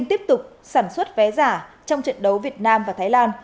tiếp tục sản xuất vé giả trong trận đấu việt nam và thái lan